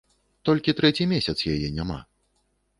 Толькі трэці месяц яе няма.